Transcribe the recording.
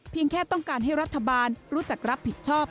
แค่ต้องการให้รัฐบาลรู้จักรับผิดชอบ